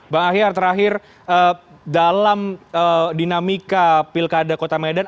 bang ahyar terakhir dalam dinamika pilkada kota medan